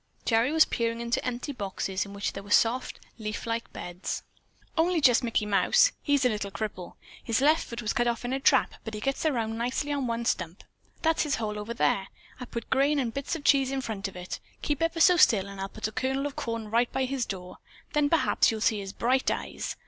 Gerry was peering into empty boxes in which there were soft, leaf like beds. "Only just Mickey Mouse. He's a little cripple! His left foot was cut off in a trap, but he gets around nicely on one stump. That's his hole over there. I put grain and bits of cheese in front of it. Keep ever so still and I'll put a kernel of corn right by his door. Then perhaps you'll see his bright eyes."